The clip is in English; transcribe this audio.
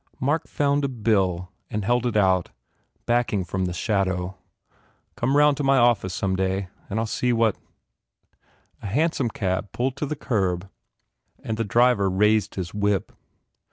Mark found a bill and held it out, backing from the shadow. "Come round to my office some day and I ll see what " A hansom rolled to the curb and the driver raised his whip.